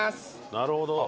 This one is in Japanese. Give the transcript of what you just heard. なるほど。